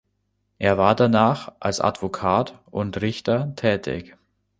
Er war danach als Advokat und Richter tätig.